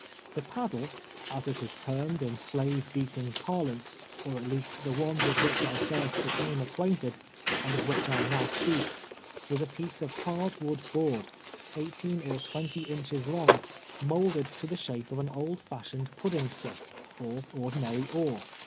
The paddle, as it is termed in slave beating parlance, or at least the one with which I first became acquainted, and <>\' which I now sj)eak, was a piece of hard wood board, eighteen or twenty inches long, moulded to the shape of an old fashioned pudding stick, or ordinary oar.